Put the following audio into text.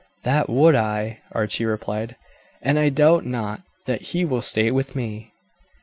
"That would I," Archie replied; "and I doubt not that he will stay with me."